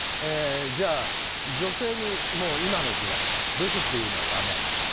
じゃあ、女性に今の時代ブスっていうのはだめ。